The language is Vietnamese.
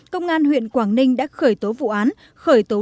công an huyện quảng ninh đã khởi tố vụ án khởi tố năm bị can